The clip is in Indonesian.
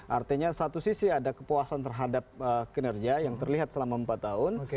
artinya satu sisi ada kepuasan terhadap kinerja yang terlihat selama empat tahun